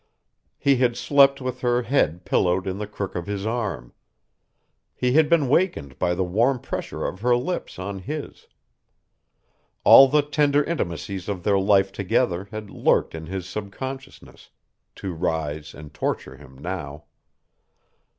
He had slept with her head pillowed in the crook of his arm. He had been wakened by the warm pressure of her lips on his. All the tender intimacies of their life together had lurked in his subconsciousness, to rise and torture him now.